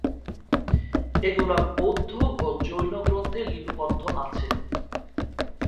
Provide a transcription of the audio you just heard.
এগুলো বৌদ্ধ ও জৈন গ্রন্থে লিপিবদ্ধ আছে।